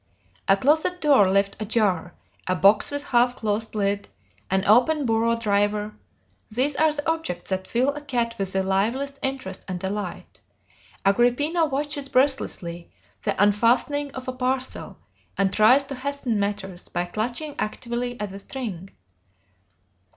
A closet door left ajar, a box with half closed lid, an open bureau drawer, these are the objects that fill a cat with the liveliest interest and delight. Agrippina watches breathlessly the unfastening of a parcel, and tries to hasten matters by clutching actively at the string.